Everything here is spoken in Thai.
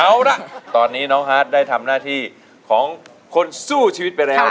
เอาล่ะตอนนี้น้องฮาร์ดได้ทำหน้าที่ของคนสู้ชีวิตไปแล้ว